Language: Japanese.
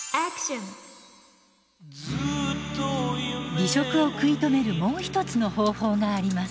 離職を食い止めるもう一つの方法があります。